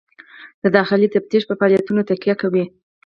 دا د داخلي تفتیش په فعالیتونو تکیه کوي.